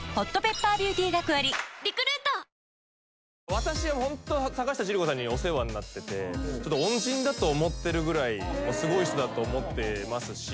私はホント坂下千里子さんにはお世話になってて恩人だと思ってるぐらいすごい人だと思ってますし。